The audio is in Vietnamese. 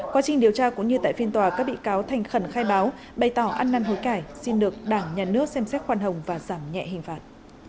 quá trình điều tra cũng như tại phiên tòa các bị cáo thành khẩn khai báo bày tỏ ăn năn hối cải xin được đảng nhà nước xem xét khoan hồng và giảm nhẹ hình phạt